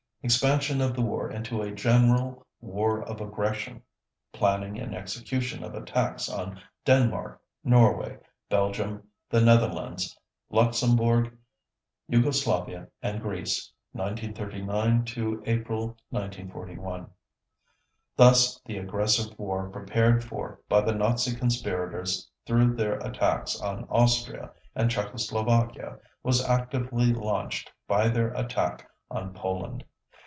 _Expansion of the war into a general war of aggression: planning and execution of attacks on Denmark, Norway, Belgium, the Netherlands, Luxembourg, Yugoslavia, and Greece: 1939 to April 1941._ Thus the aggressive war prepared for by the Nazi conspirators through their attacks on Austria and Czechoslovakia was actively launched by their attack on Poland.